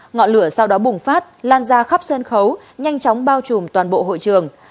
ngọn lửa sau đó bùng phát lan ra khắp sân khấu nhanh chóng bao trùm toàn bộ hội trường